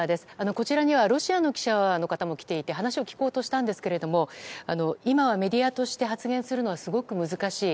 こちらにはロシアの記者の方も来ていて話を聞こうとしたんですが今はメディアとして発言するのはすごく難しい。